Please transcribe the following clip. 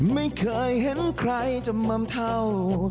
ไม่เคยเห็นใครจำม่ำเท่า